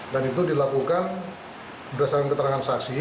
dan itu dilakukan berdasarkan keterangan saksi